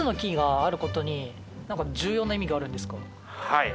はい。